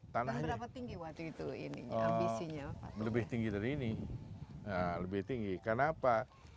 tanah seberapa tinggi waktu itu ini ambisinya lebih tinggi dari ini lebih tinggi karena apa